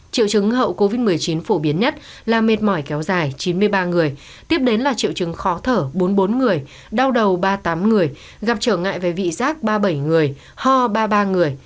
triệu chứng hậu covid một mươi chín phổ biến nhất là mệt mỏi kéo dài chín mươi ba người tiếp đến là triệu chứng khó thở bốn mươi bốn người đau đầu ba mươi tám người gặp trở ngại về vị giác ba mươi bảy người ho ba mươi ba người